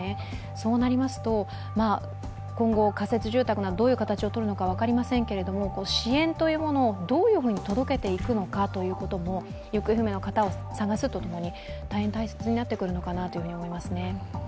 そうなりますと、今後、仮設住宅などどういう形をとるのか分かりませんが支援というものをどういうふうに届けていくのかということも行方不明の方を探すとともに大変大切になってくるのかなと思いますね。